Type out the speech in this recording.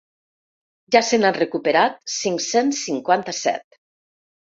Ja se n’han recuperat cinc-cents cinquanta-set.